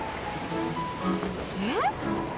えっ？